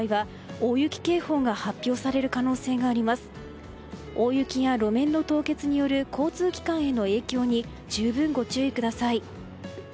大雪や路面の凍結による交通機関の影響に十分ご注意ください。